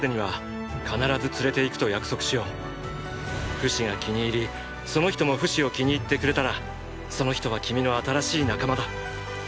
フシが気に入りその人もフシを気に入ってくれたらその人は君の新しい仲間だ。